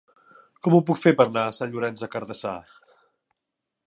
Com ho puc fer per anar a Sant Llorenç des Cardassar?